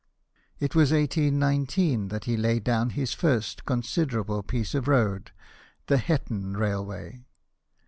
It was in 1819 that he laid down his first considerable piece of road, the Hetton railway.